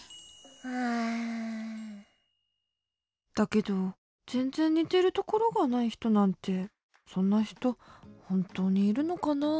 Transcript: だけどぜんぜんにてるところがないひとなんてそんなひとほんとうにいるのかな？